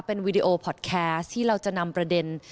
เป็นวีดีโอพอร์ตแคสต์ที่เราจะนำประเด็น